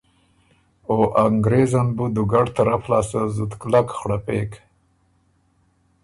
او انګرېزن بُو دُوګډ طرف لاسته زُت کلک خړپېک،